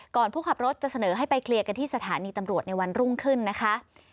ผู้ขับรถจะเสนอให้ไปเคลียร์กันที่สถานีตำรวจในวันรุ่งขึ้นนะคะ